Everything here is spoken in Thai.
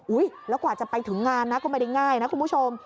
แล้วกว่าจะไปถึงงานนะก็ไม่ได้ง่ายนะคุณผู้ชม